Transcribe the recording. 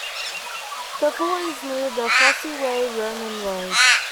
The fort is near the Fosse Way Roman road.